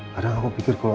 kadang aku pikir kalau